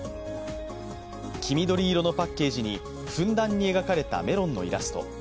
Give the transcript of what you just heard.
黄緑色のパッケージにふんだんに描かれたメロンのイラスト。